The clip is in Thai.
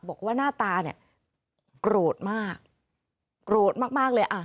บอกว่าหน้าตาโกรธมากโกรธมากเลย